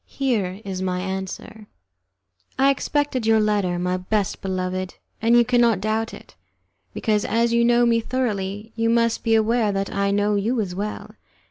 Here is my answer: "I expected your letter, my best beloved, and you cannot doubt it, because, as you know me thoroughly, you must be aware that I know you as well.